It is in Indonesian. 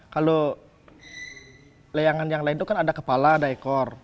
kalau leangan yang lain itu kan ada kepala ada ekor